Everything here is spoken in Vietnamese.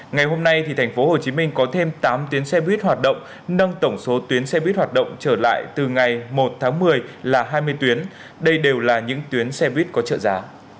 ngày hôm nay thành phố hồ chí minh có thêm tám tuyến xe buýt hoạt động nâng tổng số tuyến xe buýt hoạt động trở lại từ ngày một tháng một mươi là hai mươi tuyến đây đều là những tuyến xe buýt có trợ giá